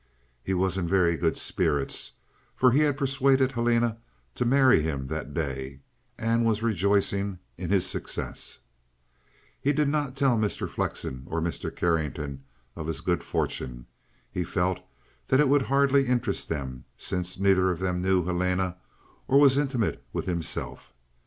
He was in very good spirits, for he had persuaded Helena to marry him that day month, and was rejoicing in his success. He did not tell Mr. Flexen, or Mr. Carrington, of his good fortune. He felt that it would hardly interest them, since neither of them knew Helena or was intimate with himself.